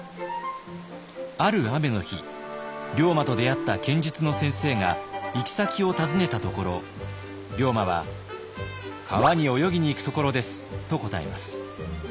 ある雨の日龍馬と出会った剣術の先生が行き先を尋ねたところ龍馬は「川に泳ぎに行くところです」と答えます。